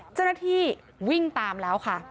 เจ้าหน้าที่วิ่งตามแล้วค่ะ